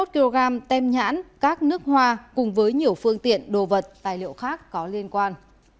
hai mươi kg tem nhãn các nước hoa cùng với nhiều phương tiện đồ vật tài liệu khác có liên quan